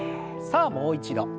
さあもう一度。